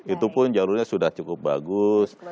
itu pun jalurnya sudah cukup bagus